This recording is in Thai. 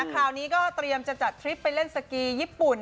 คราวนี้ก็เตรียมจะจัดทริปไปเล่นสกีญี่ปุ่น